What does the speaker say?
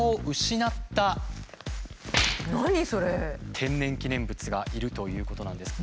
天然記念物がいるということなんですね。